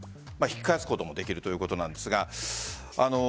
引き返すこともできるということなんですが。